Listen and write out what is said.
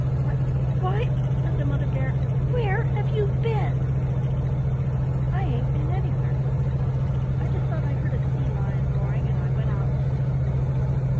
"Why! why!" said the Mother Bear, "where have you been?" "I ain't been anywhere," said Sprawley. "I just thought I heard a sea lion roaring and I went out to see."